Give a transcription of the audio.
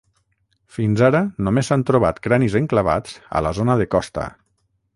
Fins ara només s’han trobat cranis enclavats a la zona de costa.